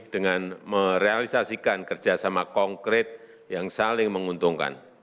dengan merealisasikan kerjasama konkret yang saling menguntungkan